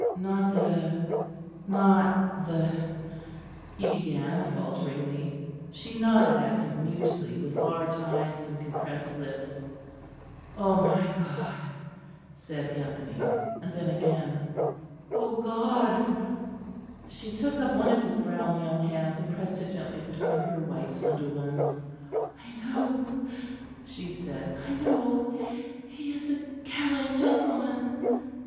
"Not the not the " he began, falteringly. She nodded at him mutely with large eyes and compressed lips. "Oh, my God," said Anthony; and then again, "O God." She took up one of his brown young hands and pressed it gently between her white slender ones. "I know," she said, "I know; he is a gallant gentleman."